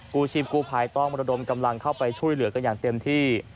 กู้ชีพกู้ภัยต้องระดมกำลังเข้าไปช่วยเหลือกันอย่างเต็มที่